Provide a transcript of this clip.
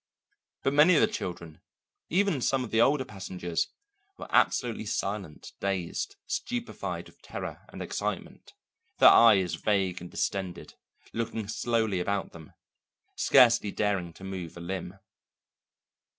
But many of the children, even some of the older passengers, were absolutely silent, dazed, stupefied with terror and excitement, their eyes vague and distended, looking slowly about them, scarcely daring to move a limb.